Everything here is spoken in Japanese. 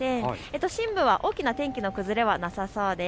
都心部は大きな天気の崩れはなさそうです。